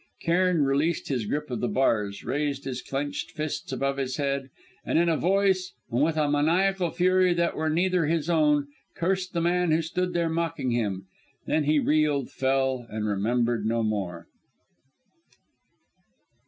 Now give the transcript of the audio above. Cairn released his grip of the bars, raised his clenched fists above his head, and in a voice and with a maniacal fury that were neither his own, cursed the man who stood there mocking him. Then he reeled, fell, and remembered no more.